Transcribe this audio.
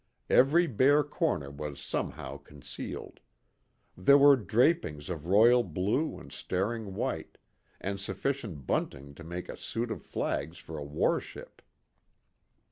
Every bare corner was somehow concealed. There were drapings of royal blue and staring white, and sufficient bunting to make a suit of flags for a war ship.